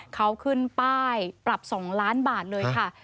เขาขึ้นป้ายปรับ๒ล้านบาทเลยค่ะ